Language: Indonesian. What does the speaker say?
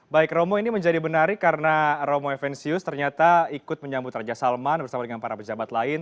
baik romo ini menjadi menarik karena romo evensius ternyata ikut menyambut raja salman bersama dengan para pejabat lain